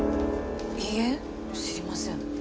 いいえ知りません。